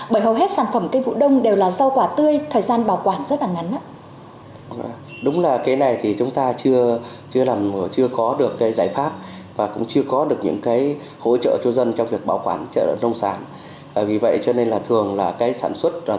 bởi hầu hết sản phẩm cây vụ đông đều là rau quả tươi thời gian bảo quản rất là ngắn